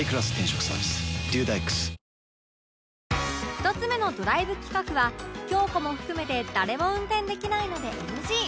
１つ目のドライブ企画は京子も含めて誰も運転できないので ＮＧ